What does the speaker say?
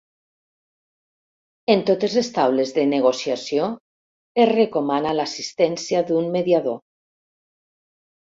En totes les taules de negociació es recomana l'assistència d'un mediador